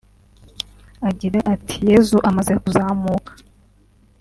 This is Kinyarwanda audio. Agira ati “Yezu amaze kuzamuka